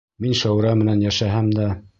Мин Шәүрә менән йәшәһәм дә...